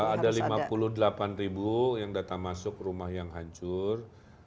ada lima puluh delapan ribu yang datang masuk rumah yang hancur